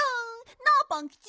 なあパンキチ。